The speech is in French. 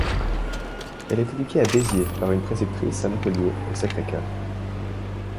Elle est éduquée à Béziers par une préceptrice et à Montpellier, au Sacré-Coeur.